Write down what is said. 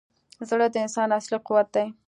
زړه د انسان اصلي قوت دی.